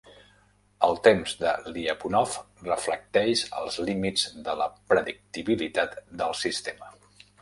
El temps de Lyapunov reflecteix els límits de la predictibilitat del sistema.